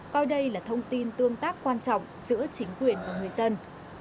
coi đây là thông tin tương tác quan trọng giữa chính quyền và người dân